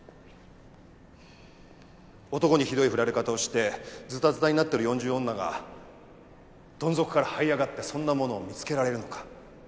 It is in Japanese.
男にひどい振られ方をしてずたずたになってる四十女がどん底からはい上がってそんなものを見つけられるのか？